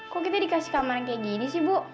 kok kita dikasih kamar yang kayak gini sih bu